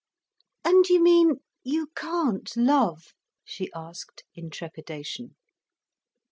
"And you mean you can't love?" she asked, in trepidation.